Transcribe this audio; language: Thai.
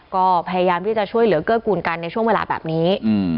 ก็พยายามที่จะช่วยเหลือเกื้อกูลกันในช่วงเวลาแบบนี้